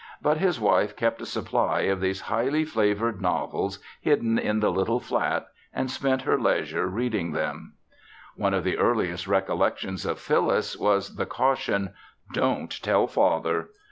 But his wife kept a supply of these highly flavored novels hidden in the little flat and spent her leisure reading them. One of the earliest recollections of Phyllis was the caution, "Don't tell father!"